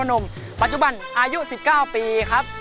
ร้องได้ให้ล้านบนเวทีเลยค่ะ